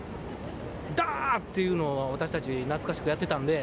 ダー！っていうのを、私たち、懐かしくやってたんで。